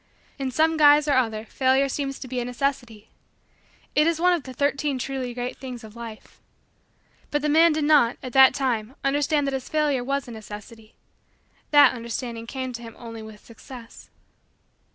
In some guise or other Failure seems to be a necessity. It is one of the Thirteen Truly Great Things of Life. But the man did not, at that time, understand that his failure was a necessity. That understanding came to him only with Success.